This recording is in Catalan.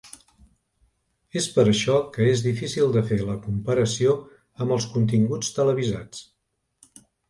És per això que és difícil de fer la comparació amb els continguts televisats.